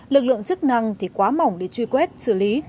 lực lượng chức năng thì quá mỏng để truy quét xử lý